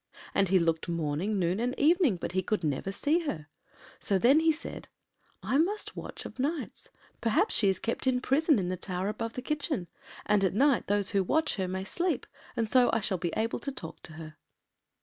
And he looked morning, noon, and evening, but he never could see her. So then he said— “I must watch o’ nights—perhaps she is kept in prison in the tower above the kitchen, and at night those who watch her may sleep, and so I shall be able to talk to her.